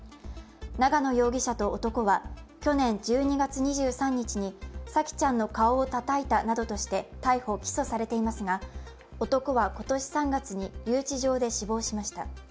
長野容疑者と男は去年１２月２３日に沙季ちゃんの顔をたたいたなどとして逮捕・起訴されていますが男は今年３月に留置場で死亡しました。